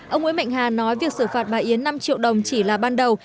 ông nguyễn mạnh hà nói việc xử phạt bà yến năm triệu đồng chỉ là ban đầu